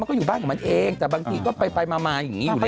แล้วก็อยู่บ้านของมันเองแต่บางทีก็ไปมาอย่างนี้อยู่แล้ว